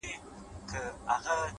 د سازو ښا ته دې جامعه الکمالات ولېږه”